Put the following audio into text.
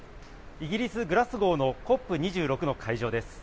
イギリス・グラスゴーのＣＯＰ２６の会場です。